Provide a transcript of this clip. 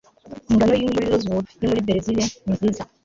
ingano yinkwi muri rosewood yo muri berezile ni nziza